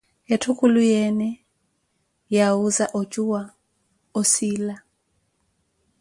Etthu khuluyeene yawuuza ocuwa osiila.